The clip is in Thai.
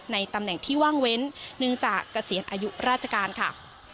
ตำแหน่งที่ว่างเว้นเนื่องจากเกษียณอายุราชการค่ะ